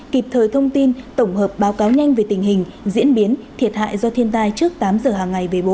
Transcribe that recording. kịp thời thông tin tổng hợp báo cáo nhanh về tình hình diễn biến thiệt hại do thiên tai trước tám giờ hàng ngày về bộ